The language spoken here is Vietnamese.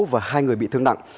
và hai người bị thương nặng